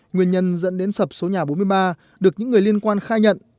nguyên nhân dẫn đến sập số nhà bốn mươi ba được những người liên quan khai nhận